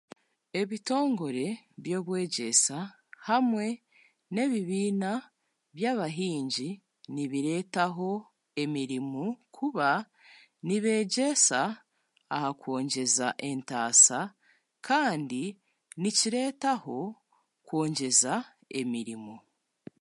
Ebitongore by'obwegyesa hamwe n'ebibiina by'abahingi nibireetaho emirimu kuba nibeegyesa kwongyesa entaasa kandi nikireetaho kwongyeza emirimo